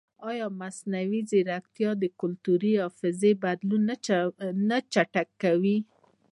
ایا مصنوعي ځیرکتیا د کلتوري حافظې بدلون نه چټکوي؟